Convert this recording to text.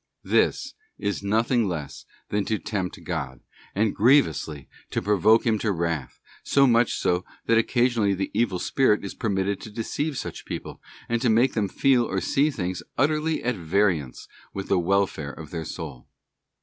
This is nothing less than to tempt God, and grievously to provoke Him to wrath, so much so that occasionally the evil spirit is permitted to deceive such people, and to make them feel or see things utterly at variance with the welfare of their soul.